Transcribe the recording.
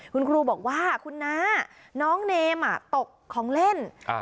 คุณครูบอกว่าคุณน้าน้องเนมตกของเล่น